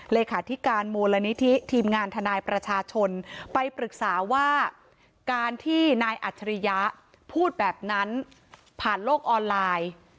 เลขาธิการมูลนิธิทีมงานทนายประชาชนไปปรึกษาว่าการที่นายอัจฉริยะพูดแบบนั้นผ่านโลกออนไลน์